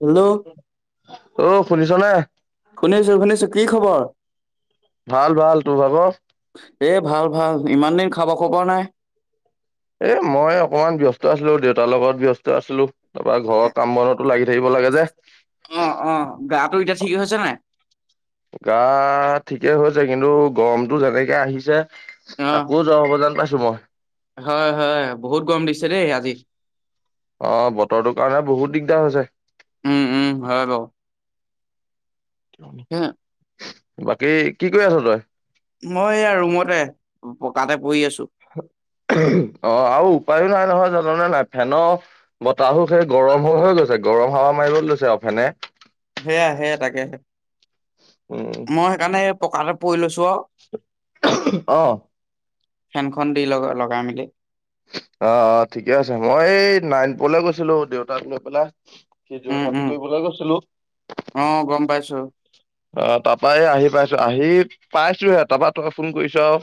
Hello? অ শুনিছ নে ' শুনিছো শুনিছো কি খবৰ? ভাল ভাল, তোৰ ভাব? এ ভাল ভাল ইমান দিন খাব খবৰ নাই? এ মই অকনমান ব্যস্ত আছিলো দেউতাৰ লগত ব্যস্ত আছিলো। তাৰপৰা ঘৰৰ কাম বনতো লাগি থাকিব লাগে যে। অ অ গাটো এতিয়া ঠিক হৈছে নাই গা ঠিকেই হৈছে কিন্তু গৰমটো যেনেকে আহিছে অ আকৌ যোৱা হ'ব জান পাইছো মই। হয় হয় বহুত গৰম দিছে দেই আজি অ বতৰটো কাৰণে বহুত দিগ [unintelligible] উম উম হয় বা ওঁ হ বাকী কি কৰি আছ তই মই এয়া ৰুমতে পকাতে পৰি আছো অ আ উপায় নাই নহয় জানোনে নাই ফেনৰ বতাহো সেই গৰম হৈ হৈ গৈছে গৰম হাৱা মাৰিবলৈ লৈছে আৰু ফেনে সেয়া সেয়া তাকে সে উম মই সেইকাৰণে পকাতে পৰি লৈছো আৰু অ ফেনখন দি লগা লগাই মেলি অ অ ঠিকে আছে মই এই নাইনপুৰলে গৈছিলো দেউতাক লৈ পেলাই উম সেই উম [unintelligible] কৰিবলৈ গৈছিলো অ গম পাইছো অ তাৰাপই আহি পাইছো আহি পাইছোহে তপা ত ফোন কৰিছ আৰু।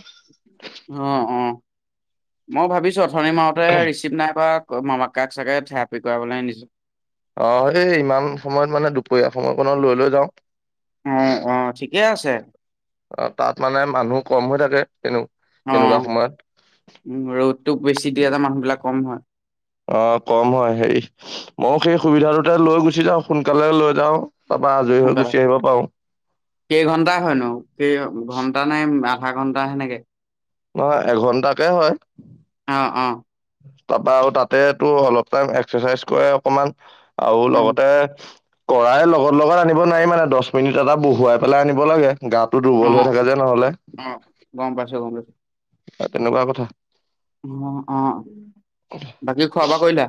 অ অ মই ভাবিছোঁ থনি মাৰোতে ৰিচিপ্ট নাই কৰা মামাকাক চাগে থেৰাপি কৰালৈ নিছো। অ এই ইমান সময়ত মানে দুপৰীয়া সময়কণত লৈ লৈ যাও। অ অ ঠিকেই আছে। অ তাত মানে মানুহ কম হৈ থাকে তেনে অ তেনেকুৱা সময়ত। উম ৰ'দতোক বেছি দিয়া টে মানুহ বিলাক কম হয়। অ কম হয় হেৰি ময়ো সেই সুবিধাটোতে লৈ গুচি যাওঁ সোনকালে লৈ যাও। সোনকালে কেইঘন্টা হয়নো কেই ঘন্টা নাই। আধা ঘন্টা সেনেকে। নহয় এঘন্টাকে হয়। অ অ তাপা আওঁ তাতে তো অলপ টাইম এক্সাৰচাইজ কৰে অকমান আওঁ উম লগতে। কৰাই লগত লগত আনিব নোৱাৰি মানে দহ মিনিট এটা বহুৱাই পেলাই আনিব লাগে। গাটো অ দুৰ্বল হৈ থাকে যে নহলে। অ গম পাইছো গম পাইছো তেনেকুৱা কথা। অ অ বাকী খোৱা বোৱা কৰিলা।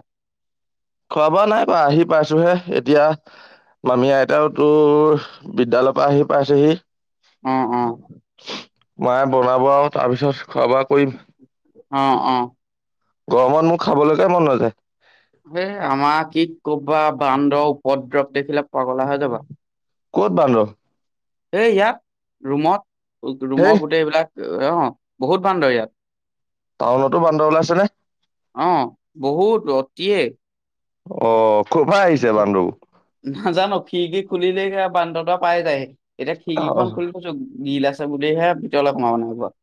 খোৱা বোৱা নাই কৰা আহি পাইছোহে এতিয়া। মামি আইতাও তোৰ বিদ্যয়ালয়ৰ পৰা আহি পাইছেহি। উম উম। মায়ে বনাব আৰু তাৰ পিছত খোৱা বোৱা কৰিম। অ অ। গৰমত মোৰ খাবলৈকে মন নাযায়। হ আমাৰ কি কবা বান্দৰ উপদ্ৰৱ দেখিলে পাগলা হৈ যাবা। ক'ত বান্দৰ। সেই ইয়াত ৰুমত হেই ৰুমৰ গোটেই এইবিলাক। অ বহুত বান্দৰ ইয়াত। টাউনতো বান্দৰ ওলাইছে নে। অ বহুত অতিয়ে। অ কপা আহিছে বান্দৰ বোৰ। খুলিলে বান্দৰতা পাই যায় এতিয়া অ খিৰিকি খন খুলি থৈছো গিল আছে। [unintelligible]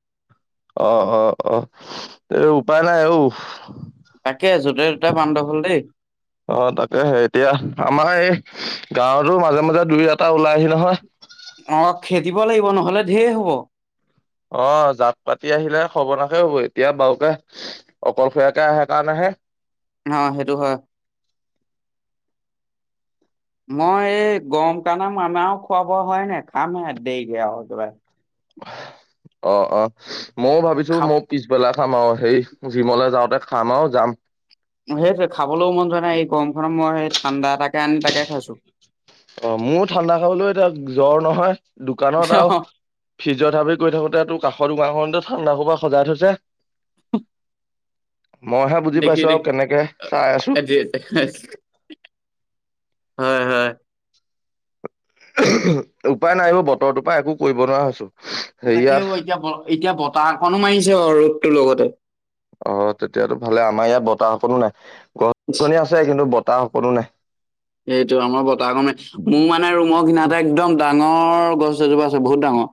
অ অ অ এই উপায় নাই আঔ। তাকে আ যোতে দুটা বান্ধৱ হ'ল দেই। অ তাকেহে এতিয়া আমাৰ এই। গাঁৱতো মাজে মাজে দুই এটা ওলাই আহি নহয়। অ খেদিব লাগিব নহলে ঢেৰ হ'ব। অ জাক পাতি আহিলে হৰ্বনাশ হব এতিয়া বাওঁকে অকলশীয়াকে আহে কাৰণেহে। হে। অ সেইটো হয়। মই এই গৰম তানে আমাও খোৱা বোৱা হয় নাই খামহে দেৰিকে আৰু একেবাৰে। অ অ ময়ো ভাবিছো খাব মোৰ পিছবেলা। খাম আৰু সেই জিমলে যাওঁতে খাম আৰু যাম। সেইটো খাবলৈও মন যোৱা নাই এই গৰমখনত মই সেই ঠাণ্ডা তাকে আনি তাকে খাইছো। অ মোৰো ঠাণ্ডা খাবলৈ এতিয়া জ্বৰ নহয়। দোকানত আৰু ফিজৰ থাবি কৰি থাকোতে তটো কাষৰ দোকাৰখনতে। ঠাণ্ডা কোবা সজাই থৈছে। উ [unintelligible] মইহে বুজি দেখি পাইছো আৰু দেখি কেনেকে চাই আছো আজিতি। হয় হয়। উপায় নাইব বতৰটোৰ পৰা একো কৰিব নোৱাৰা হৈছো। তাকে হেৰিয়াত অ, এতিয়া এতিয়া বতাহ অকণো মাৰিছে অ ৰদটোৰ লগতে। অ, তেতিয়াতো ভালে আমাৰ ইয়াত বতাহকনো নাই গছনি আছে কিন্তু। ত কৰো নাই। সেইটো আমাৰ বতাহ কণে মোৰ মানে ৰুমৰ সোমাই একদম। ডাঙৰ গছ এজোপা আছে, বহুত ডাঙৰ।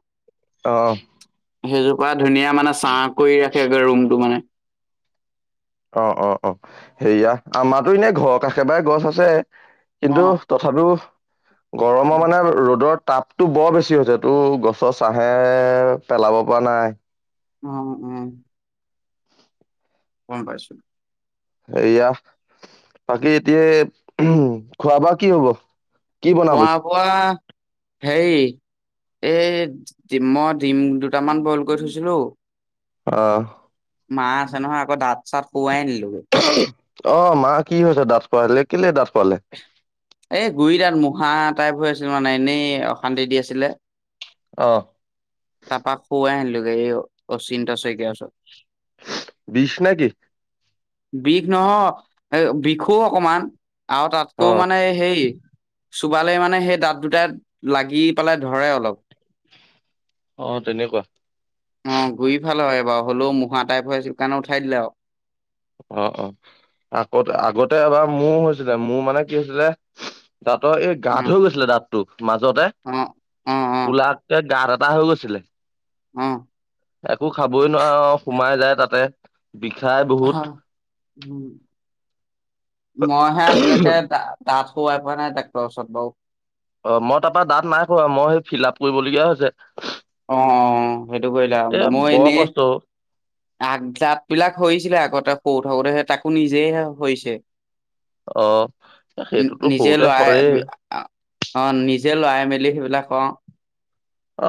অঁ। সেইজোপা ধুনীয়া মানে চাহ কৰি ৰাখেগে ৰুমটো মানে। অ অ অ, সেয়া আমাৰো এনে ঘৰৰ কাশেবাৰে গছ আছে। কিন্তু অ', তথাপি গৰমৰ মানে ৰ'দত। তাপতটো বৰ বেছি হৈছে, তটো গছৰ চাহে পেলাব পৰা নাই উম উম। গম পাইছো। এইয়া বাকী এতিয়া উ খোৱা বোৱা কি হব। কি খোৱা বনাবি বোৱা, হেৰি এই ডিমত। ডিম দুটামান বইল কৰি থৈছিলো। আহ। মা আছে নহয়, আকৌ দাঁত চাত শোৱাই নিলোগৈ। অ মা কি হৈছে দাঠ ক আহিলে কেলে দাঠ। এ গুৰিডাল মুহাত। টাইপ হৈ আছিল মানে এনেই অশান্তি দি আছিলে। আহ। তাৰ পৰা, শোৱাই আনিলোগে এই অচিন্তা শইকীয়াৰ ওচৰত। বিষ নেকি? বিষ নহয় এ বিষো অকমান। আৰু তাতকৈ অ মানে হেই। চোবালে মানে সেই দাঁত দুটাত লাগি পেলাই ধৰে অলপ। অ তেনেকুৱা অ গৈ পালৰ হয়। বাৰু হ'লেও মঢা টাইপ হৈছিল কাৰণে উঠাই দিলে আৰু। অ অ, আকতে আগতে এবাৰ মোৰ হৈছিলে মোৰ মানে কি হৈছিলে। দাঁতৰ এই গা অ', ধ হৈ গৈছিলে দাঁতটো মাজতে অ', অ', অ', কলাতে গাত। ব হৈ গৈছিলে। অম। একো খাবই নোৱাৰো সোমাই যায় তাতে। বিষাই হা বহুত উম। মইহে আজিলৈকে দাত শোৱাই পোৱা নাই ডাক্টৰৰ ওচৰত বাৰু। অ মই তাৰ পৰাৰা দাঁত নাই হৰুৱা, মই সেই ফিল আপ কৰিবলগীয়া হৈছে। অ অ, সেইটো কৰিলা এ মই বৰ এনেই। কষ্ট আগজাত বিলাক হৈছিলে আগতে সৰিছিলে থাকোতে স তাকো নিজেই হৰিছে। অ এ সেইটোতো নিজে সৰুতে সৰেই লৰাই অ নিজে লৰাই মেলি, লখ অ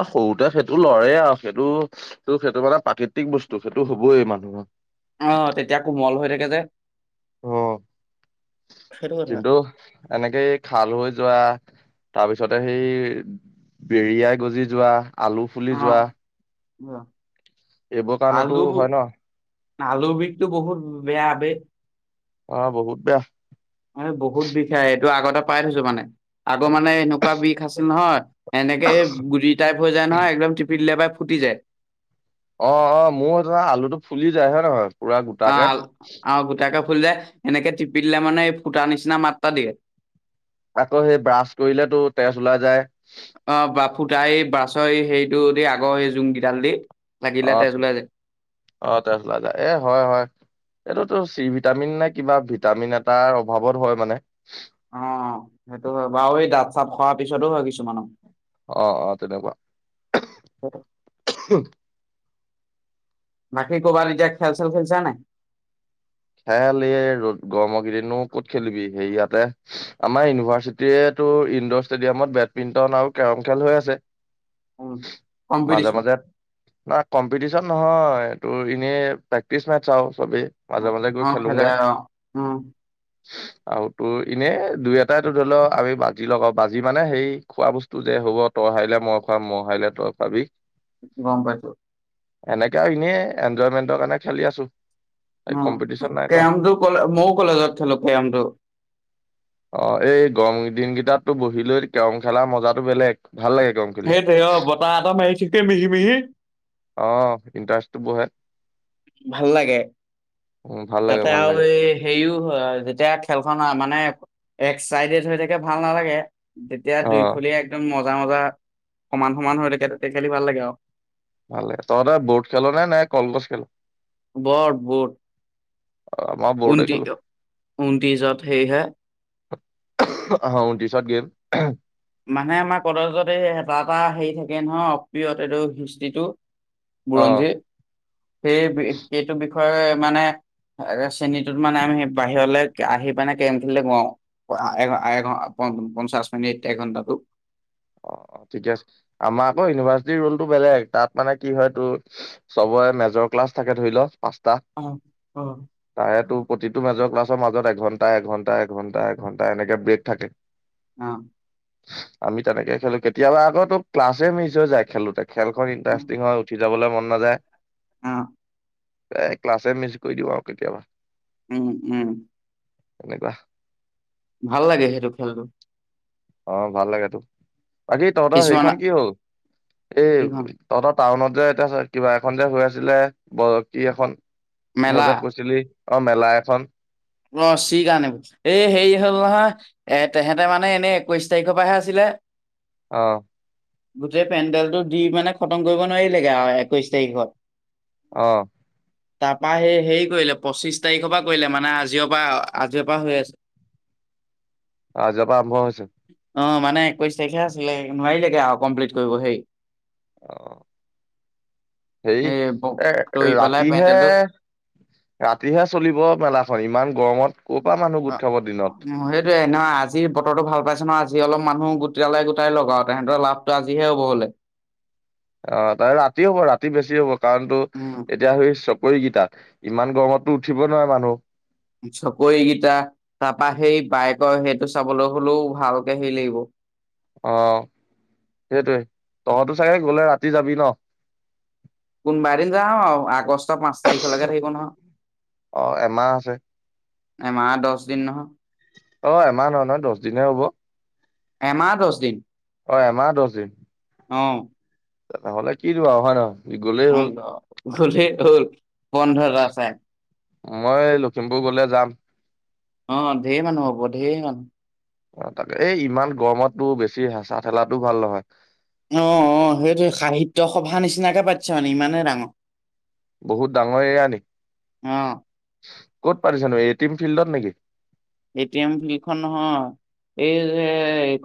অ সৰুতে সেইটো লৰেই আৰু সেইটো সেইটো মানে প্ৰাকৃতিক বস্তু সেইটো হবই মানুহৰ আহ তেতিয়া কোমল হৈ থাকে যে অ সেইটো কথা। কিন্তু এনেকেই খাল হৈ যোৱা তাৰপিছতে সেই বেৰিয়াই গজি যোৱা আলু ফুলি যোৱা অ। এইবোৰ কাৰণতো আলু হয় ন আলু বিষটো বহুত বেয়া ব অ বহুত বেয়া। বহুত বিষে এইটো আগতে পাই থৈছো মানে, আগৰ মানে এনেকুৱা বিষ আছিল নহয় এনেকে গুটি টাইপ হৈ যায় নহয় একদম টিপি দিলে বা ফুটি যায় অ অ মোৰ আলুটো ফুলি যায় হয় নহয়? পুৰা অ গোটাকে আৰু গোটাকৈ। খুল যায় এনেকে টিপি দিলে মানে এই ফুটা নিচিনা মাতটা দিয়ে। আকৌ সেই ব্ৰাছ কৰিলে তো তেজ ওলাই যায়। অ বা ফুটাই বাছৰ সেইটো দি আগৰ সেই জুংকেইডাল দি লাগিলে অ তেজ ওলাই যায়। অ তেছ ওলাই যায়, এ হয় হয় এইটোতো ছি ভিটামিন নে কিবা ভিটামিন এটাৰ অভাৱত হয় মানে। অ সেইটো হয় বাৰু আৰু এই দাঁত চাত খোৱাৰ পিছতো হয় কিছুমানৰ অ অ তেনেকুৱা বাকী কৰবাত খেল চেল খেলিছা নাই? খেল এই ৰ'দ গৰমৰ কেইদিনো কত খেলিবি সেই ইয়াতে আমাৰ ইউনিভাৰ্চিটি টো ইনডৰ ষ্টেডিয়ামত বেডমিন্টন আৰু কেৰম খেল হৈ আছে। হয় [unintelligible] মাজে মাজে ন কম্পিটিশ্যন। নহয় তোৰ এনেই প্ৰেক্টিচ মেছ আৰু চবেই মাজে মাজে গৈ অ খেলে খেলোগে উম। আৰু তোৰ এনেই দুই এটাইো ধৰি লও আমি বাজি লগা বাজি মানে সেই খোৱা বস্তু যে হ'ব ত হাৰিলে মই খ মই হাৰিলে তই খুৱাবি গম পাইছো। এনেকে এনেই এনজয়মেন্টৰ কাৰণে খেলি আছো, কম্পি কেম ক মই কলেজতো কেমটো অ এই গৰম দিনকেইটাতো বহিলৈ কেৰম খেলা মজাতটো বেলেগ। ভাল লাগে কেৰম খেলি। সেইটোয়ে অ বতাহঁ মাৰি ঠিকেই মিহি মিহি। অ ইণ্টাৰেষ্টটো বহে ভাল লাগে। উ ভাল লাগে তাতে ভাল আৰু লাগে এই হেৰিও হয় যেতিয়া খেলখন মানে এক চাইডে হৈ থাকে ভাল নালাগে তেতিয়া অ দুইফুলি একদম মজ মজা মজা সমান সমান হৈ থাকে তাতে খেলি ভাল লাগে আৰু। ভালে লাগে, তই এ বোট খেল নে নাই কলগছ খেল আমাৰ বৰ্ডে উতি খেলো উনতি জাত সেই হে [unintelligible] আহ উনটি শট গেম [unintelligible] মানে আমাৰ কলেজত এই এটা এটা হেৰি থাকে নহয় অপ্ৰিয়ত এইটো হিষ্ট্ৰিটো অ বুৰঞ্জীৰ সেই সেইটো বিষয়ৰ মানে শ্ৰেণীটোত মানে আমি হে বাহিৰলৈ আহি পনে কেম খেলিলে ক এঘ এঘ পঞ্চাশ মিনিট একঘণ্টাটো [unintelligible] অ ঠিকে আছে, আমাৰ আকৌ ইউনিভাৰ্চিটিৰ ৰোলটো বেলেগ তাত মানে কি হয় তোৰ চবৰে মেজৰ ক ক্লাছ থাকে ধৰি ল পাঁচটা, অ অ তাৰে তো প্ৰতিটো মেজৰ ক্লাছ ৰ মাজত এঘন্টা এঘন্টা এঘন্টা এঘণ্টা এনেকে ব্ৰেক থাকে। অ আমি তেনেকে খেলো কেতিয়াবা আগতো ক্লাছে মিছ হৈ যায় খেলোতে খেলখন ইণ্টাৰেষ্টিং হৈ উঠিল যাবলৈ মন নাযায়। উম এ ক্লাছে মিছ কৰি দিওঁ আও কেতিয়াবা। উম উম। তেনেকোৱা ভাল লাগে সেইটো খেলটো। অ ভাল লাগে তো বাকী তহঁতৰ কিছুমান হেৰিখন কি হ'ল, এই কিখন তহত টাউনত যে এতিয়া কিবা এখন যে হৈ আছিলে ব কি এখন মেলা মই যে কৈছিলি অ মেলা এখন অ চি কাৰণে বোল এই হেৰি হ'ল নহয় এ তেহেতে মানে এনেই একৈশ তাৰিখৰ পৰাহে আছিলে এ এ অহ গোটেই পেণ্ডেলটো দি মানে খতম কৰিব নোৱাৰিলেগে আৰু একৈশ তাৰিখত অহ তাৰপা সেই হেৰি কৰিলে পঁচিশ তাৰিখৰ পৰা কৰিলে মানে আ জি পা আজি পা হৈ আছে অহ যাবা আৰম্ভ হৈছে অ মানে একৈছ তাৰিখে আছিলে নোৱাৰিলেগে আও কমপ্লিট কৰিব সেই অ সেই এই এ দৌৰি পেলাই ৰাতিহে পেণ্ডেলটো ৰাতিহে চলিব মেলাখন ইমান গৰমত ক'ৰ পৰা মানুহ অ গোট খাব দিনত সেইটোয়ে নহয় আজি বতৰতো ভাল পাইছো ন আজি আজি অলপ মানুহ গোটালে গোটাই লগাওতে তেহেঁতৰ লাভটো আজিহে হ'ব হলে অ তাৰ ৰাতি হ'ব ৰাতি বেছি হব কাৰণ তো উম, এতিয়া সেই চ কৰি কেইটাত ইমান গৰমততো উঠিব নোৱাৰে মানুহ চকৰিকেইটা তাৰপা সেই বাইকৰ সেইটো চাবলৈ হ'লেও ভালকে হেৰি লাগিব অ সেইটোৱে তহঁতো চাগে গলে ৰাতি যাবি ন কোনোবা এদিন যাম আও আগষ্টৰ পাঁচ তাৰিখলৈকে থাকিব নহয় অ এমাহ আছে এমাহ দশ দিন নহয় অ এমাহ নহয় নহয় দহ দিনহে হ'ব এমাহ দহ দিন অ এমাহ দহ দিন অ নহলে কিনো ৱাও হয় ন উ হলেতো বন্ধ এটা আছে মই লখিমপুৰ গলে যাম অ ঢেৰ মানুহ হ'ব ঢেৰ মানুহ অ তাকে এই ইমান গৰমতো বেছি হেচা ঠেলাটোও ভাল নহয় তই সভা নিচিনাকে পাতিছ মানে ইমানে ডাঙৰ বহুত ডাঙৰ এৰিয়া অ নেকি ক'ত পাতিছেনো এ টিম ফিল্ডত নেকি এ টি এম ফিল্ডখন নহয় এই যে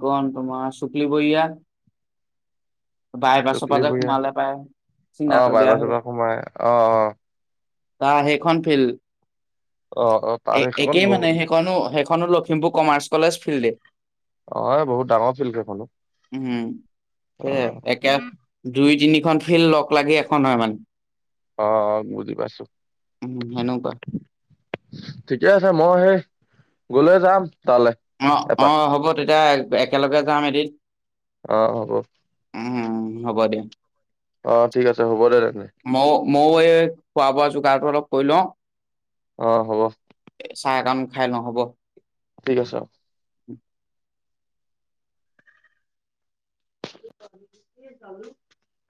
ক তোমাৰ শুক্লিবৰীয়া বাই পাছৰ চকলি পৰা যে বঢ়িয়া সোমালে পায় অ চীনাতলিয়া বাইপাছৰ হৈ পৰা সোমাই অ অ তাৰ সেইখন অ অ ফিল্ড তাৰে সেইখন একেই বহুত মানে সেইখনো সেইখন খনো লখিমপুৰ কমাৰ্চ কলেজ ফিল্ডত [unintelligible] অ এই বহুত ডাঙৰ ফিল কেইখনো এ একে দুই তিনিখন ফিল্ড লগ লাগি এখন হয় মানে অ বুজি পাইছো উম সেনেকুৱা ঠিকে আছে মই সেই গলে যাম তালৈ অ অ এপাক হ'ব তেতিয়া একেলগে যাম এদিন অ', হ'ব উম হ'ব দিয়া অ ঠিক আছে হ'ব দে তেনে ময়ো ময়ো এই খোৱা বোৱা যোগাৰটো অলপ কৈ লওঁ অ হ'ব চাহকণ খাই নহ'ব ঠিক আছে উম [inaudible]